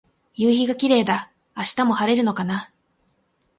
夕陽がキレイだ。明日も晴れるのかな。